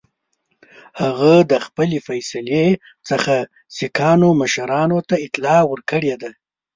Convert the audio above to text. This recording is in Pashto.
هغه د خپلي فیصلې څخه سیکهانو مشرانو ته اطلاع ورکړې ده.